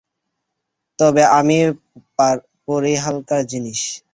তবে আমি পড়ি হালকা জিনিস।